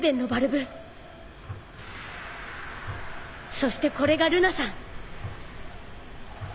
そしてこれがルナさん。